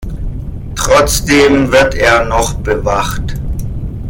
Trotzdem wird er noch bewacht.